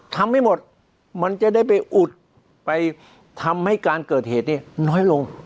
ทำให้หมดมันจะได้ไปอุดไปทำให้การเกิดเหตุเนี่ยน้อยลง